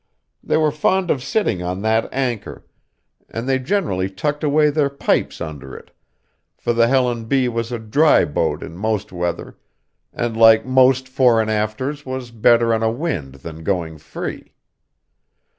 They were fond of sitting on that anchor, and they generally tucked away their pipes under it, for the Helen B. was a dry boat in most weather, and like most fore and afters was better on a wind than going free.